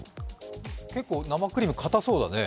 結構生クリーム、かたそうだね。